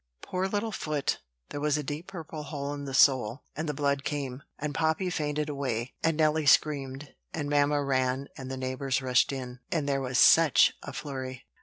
Poor little foot! There was a deep purple hole in the sole, and the blood came, and Poppy fainted away, and Nelly screamed, and mamma ran, and the neighbors rushed in, and there was such a flurry.